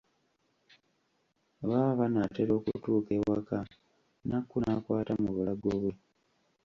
Baba banaatera okutuuka ewaka, Nakku n'akwata mu bulago bwe.